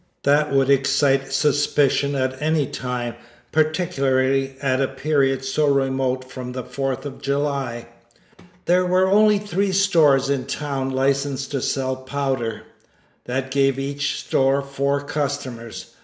That would excite suspicion at any time, particularly at a period so remote from the Fourth of July. There were only three stores in town licensed to sell powder; that gave each store four customers.